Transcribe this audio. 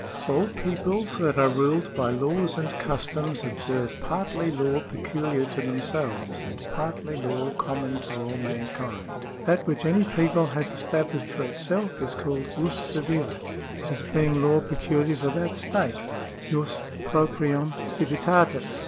—" All peoples that are ruled by laws and customs observe partly law peculiar to themselves and partly law common to all mankind. That which any people has established for itself is called jus civile, as being law peculiar to that state {jtos proprium civitatis).